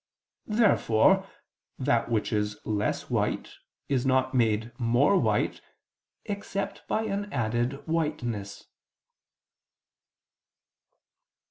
Therefore that which is less white, is not made more white, except by an added whiteness.